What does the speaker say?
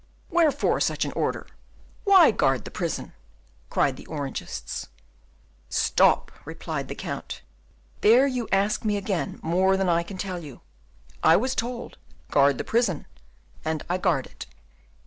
"Wherefore such an order? Why guard the prison?" cried the Orangists. "Stop," replied the Count, "there you at once ask me more than I can tell you. I was told, 'Guard the prison,' and I guard it.